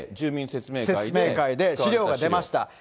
説明会で資料が出ました。